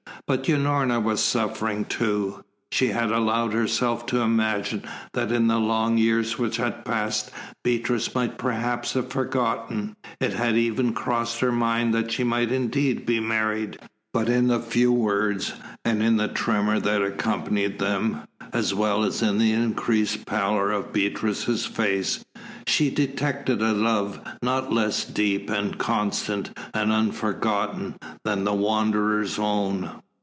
But Unorna was suffering too. She had allowed herself to imagine that in the long years which had passed Beatrice might perhaps have forgotten. It had even crossed her mind that she might indeed be married. But in the few words, and in the tremor that accompanied them, as well as in the increased pallor of Beatrice's face, she detected a love not less deep and constant and unforgotten than the Wanderer's own.